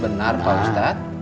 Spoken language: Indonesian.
benar pak ustadz